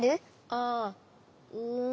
ああうん。